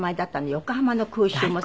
横浜の空襲も。